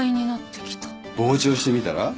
傍聴してみたら？